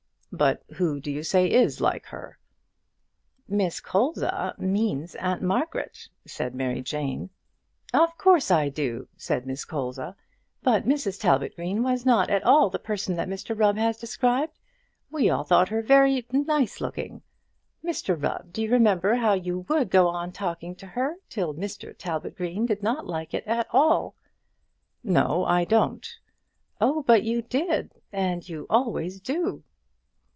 "But who do you say is like her?" "Miss Colza means Aunt Margaret," said Mary Jane. "Of course I do," said Miss Colza. "But Mrs Talbot Green was not at all the person that Mr Rubb has described; we all thought her very nice looking. Mr Rubb, do you remember how you would go on talking to her, till Mr Talbot Green did not like it at all?" "No, I don't." "Oh, but you did; and you always do."